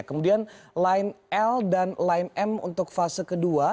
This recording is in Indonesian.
kemudian line l dan line m untuk fase kedua